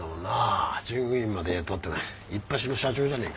従業員まで雇っていっぱしの社長じゃねえか。